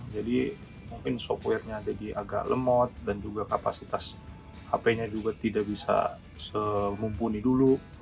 jadi mungkin softwarenya jadi agak lemot dan juga kapasitas hpnya juga tidak bisa semumpuni dulu